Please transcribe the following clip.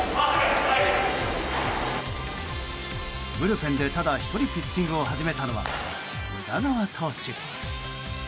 ブルペンでただ１人ピッチングを始めたのは宇田川投手。